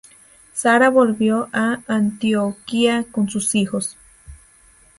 Sara volvió a Antioquía con sus hijos.